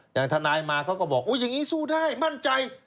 อย่างทนายมาเขาก็บอกอย่างนี้สู้ได้มั่นใจ